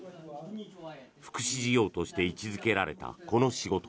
福祉事業として位置付けられたこの仕事。